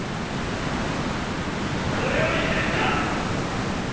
これより拙者。